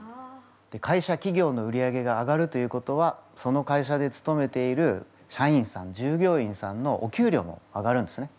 会社企業の売り上げが上がるということはその会社でつとめている社員さん従業員さんのお給料も上がるんですね。